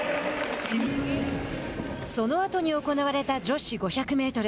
そのあとに行われた女子５００メートル。